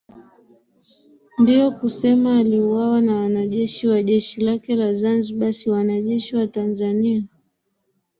Ndiyo kusema aliuawa na wanajeshi wa jeshi lake la Zanzibar si Wanajeshi wa Tanzania